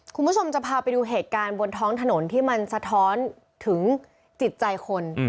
คุณผู้ชมจะพาไปดูเหตุการณ์บนท้องถนนที่มันสะท้อนถึงจิตใจคน